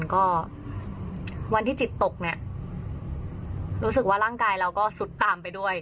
ก็วันที่จิตตกเนี่ยรู้สึกว่าร่างกายเราก็ซุดตามไปด้วย